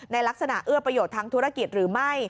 ในลักษณะเอื้อประโยชน์ทางธุรกิจหรือไม่